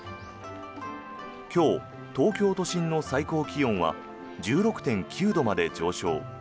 今日、東京都心の最高気温は１６．９度まで上昇。